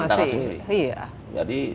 masih agak lemot lah